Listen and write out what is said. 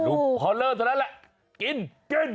หลุมพอลเลอร์ตอนนั้นแหละกินกิน